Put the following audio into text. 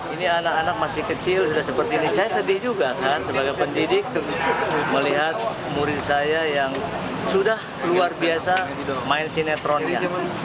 ini anak anak masih kecil sudah seperti ini saya sedih juga kan sebagai pendidik melihat murid saya yang sudah luar biasa main sinetronnya